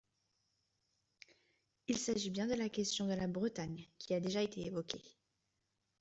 Il s’agit bien de la question de la Bretagne, qui a déjà été évoquée.